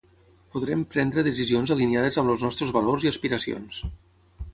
podrem prendre decisions aliniades amb els nostres valors i aspiracions